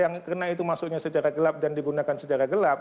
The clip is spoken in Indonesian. yang karena itu masuknya secara gelap dan digunakan secara gelap